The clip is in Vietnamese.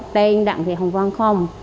tên đằng thị hồng vân không